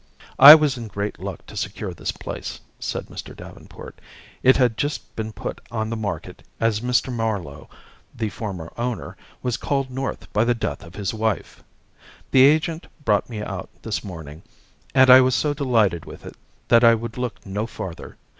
"I was in great luck to secure this place," said Mr. Davenport. "It had just been put on the market as Mr. Marlowe, the former owner, was called North by the death of his wife. The agent brought me out this morning, and I was so delighted with it that I would look no farther.